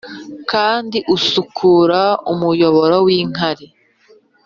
kandi usukura umuyoboro w’inkari.